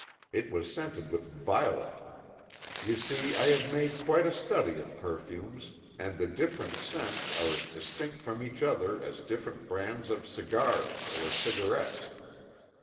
It was scented with violet. You see, I have made quite a study of perfumes and the different scents are as distinct from each other as different brands of cigars or cigarettes.